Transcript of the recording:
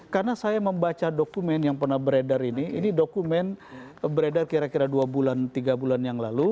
karena saya membaca dokumen yang pernah beredar ini ini dokumen beredar kira kira dua tiga bulan yang lalu